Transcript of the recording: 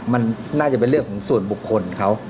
มันน่าจะเป็นเรื่องของส่วนบุคคลเขา